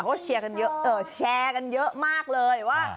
เขาเชียร์กันเยอะแชร์กันเยอะมากเลยว่า